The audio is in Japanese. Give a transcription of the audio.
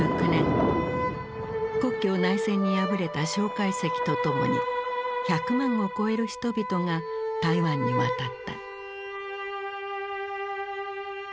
国共内戦に敗れた介石と共に１００万を超える人々が台湾に渡った。